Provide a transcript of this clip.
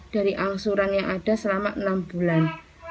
dari angsuran yang ada selama enam bulan